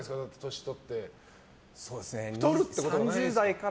年取って太るってことはないですか？